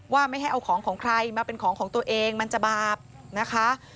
ว่าไม่ให้เอาของของใครมาเป็นของของตัวเองมันจะบาปนะคะ